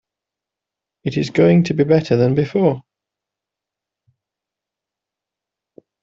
It is going to be better than before.